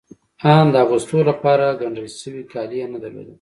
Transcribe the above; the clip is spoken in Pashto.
آن د اغوستو لپاره ګنډل شوي کالي يې نه درلودل.